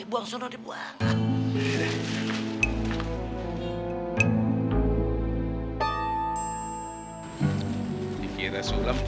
jadi makan tikus sama ayam